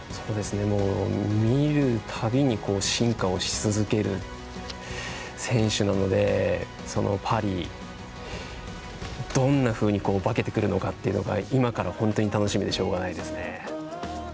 見る度に進化をし続ける選手なのでパリ、どんなふうに化けてくるのかというのが今から、本当に楽しみでしょうかないですね。